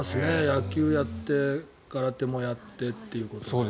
野球もやって空手もやってということで。